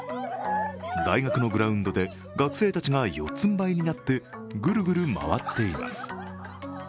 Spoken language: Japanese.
大学のグラウンドで学生たちが四つんばいになってぐるぐる回っています。